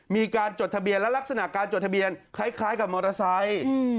มีการจดทะเบียนและลักษณะการจดทะเบียนคล้ายกับมอเตอร์ไซค์